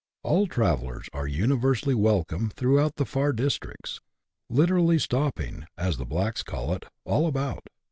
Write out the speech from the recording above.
All travellers are universally welcome throughout the far districts, literally stopping, as the blacks call it, " all about."